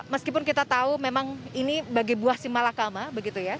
meskipun kita tahu memang ini bagai buah si malakama